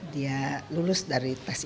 dia lulus dari tas ini